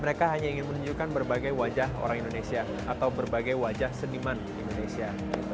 mereka hanya ingin menunjukkan berbagai wajah orang indonesia atau berbagai wajah seniman indonesia